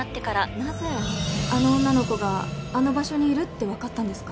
なぜあの女の子があの場所にいるってわかったんですか？